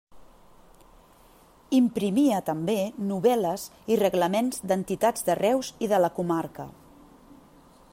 Imprimia també novel·les i reglaments d'entitats de Reus i de la comarca.